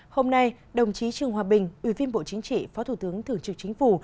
hôm nay đồng chí trường hòa bình ủy viên bộ chính trị phó thủ tướng thưởng trực chính phủ